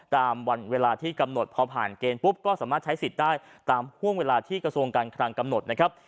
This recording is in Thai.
ตามวันเวลาที่กำหนดพอผ่านเกณฑ์ปุ๊บก็สามารถใช้สิทธิ์ได้ตามห่วงเวลาที่กระทรวงการคลังกำหนดนะครับ